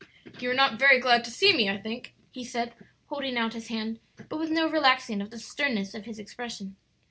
"You are not very glad to see me, I think," he said, holding out his hand, but with no relaxing of the sternness of his expression.